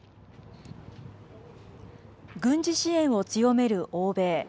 軍事支援を強める欧米。